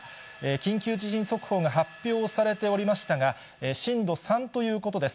緊急地震速報が発表されておりましたが、震度３ということです。